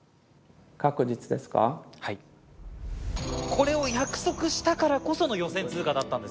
これを約束したからこその予選通過だったんですね。